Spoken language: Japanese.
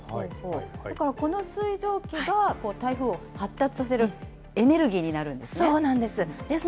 だからこの水蒸気が台風を発達させるエネルギーになるんですそうなんです。